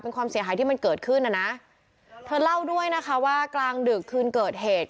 เป็นความเสียหายที่มันเกิดขึ้นน่ะนะเธอเล่าด้วยนะคะว่ากลางดึกคืนเกิดเหตุ